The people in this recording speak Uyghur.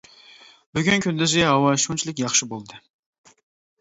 بۈگۈن كۈندۈزى ھاۋا شۇنچىلىك ياخشى بولدى.